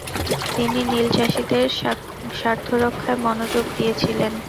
তিনি নীলচাষীদের স্বার্থরক্ষায় মনোযোগ দিয়েছিলেন ।